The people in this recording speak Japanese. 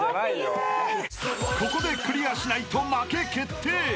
［ここでクリアしないと負け決定］